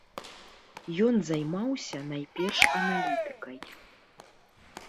Ён займаўся найперш аналітыкай.